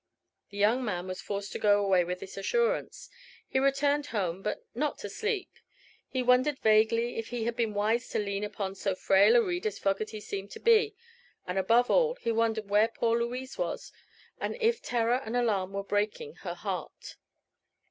The young man was forced to go away with this assurance. He returned home, but not to sleep. He wondered vaguely if he had been wise to lean upon so frail a reed as Fogerty seemed to be; and above all he wondered where poor Louise was, and if terror and alarm were breaking her heart.